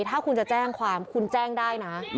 ถ้าคุณจะแจ้งความคุณแจ้งได้นะ